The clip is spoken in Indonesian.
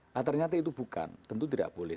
nah ternyata itu bukan tentu tidak boleh